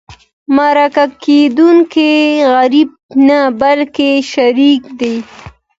مرکه کېدونکی غریب نه بلکې شریك دی.